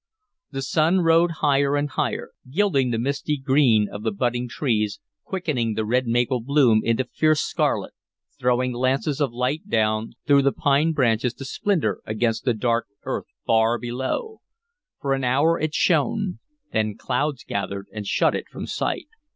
The sun rode higher and higher, gilding the misty green of the budding trees, quickening the red maple bloom into fierce scarlet, throwing lances of light down through the pine branches to splinter against the dark earth far below. For an hour it shone; then clouds gathered and shut it from sight.